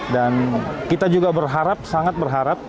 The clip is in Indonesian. dan kita juga berharap sangat berharap